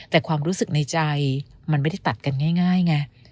แต่ความรู้สึกในใจมันไม่ได้ตัดกันง่ายไง